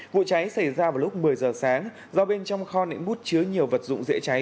vụ cháy xảy ra vào lúc một mươi h sáng do bên trong kho nệm mút chứa nhiều vật dụng dễ cháy